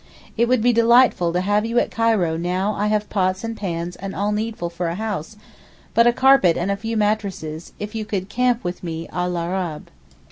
It would be delightful to have you at Cairo now I have pots and pans and all needful for a house, but a carpet and a few mattresses, if you could camp with me à l'Arabe.